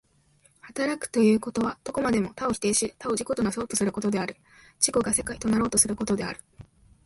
働くということは、どこまでも他を否定し他を自己となそうとすることである、自己が世界となろうとすることである。